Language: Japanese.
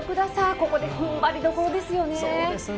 ここで踏ん張りどころですよね。